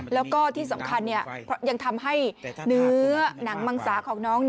แล้วก็ที่สำคัญยังทำให้เนื้อหนังมังสาของน้อง